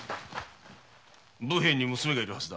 武兵衛には娘がいるはずだ。